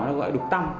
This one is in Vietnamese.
nó gọi đục tăm